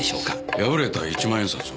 破れた１万円札を？